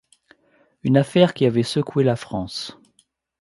Une affaire qui avait secoué la France.